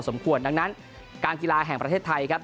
สมควรดังนั้นการกีฬาแห่งประเทศไทยครับ